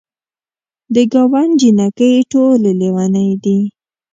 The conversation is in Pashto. د ګاونډ جینکۍ ټولې لیونۍ دي.